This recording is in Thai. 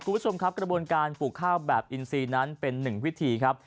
คุณผู้ชมครับกระบวนการปลูกข้าวแบบอินซีนั้นเป็นหนึ่งวิธีครับ